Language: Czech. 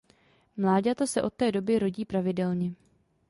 Mláďata se od té doby rodí pravidelně.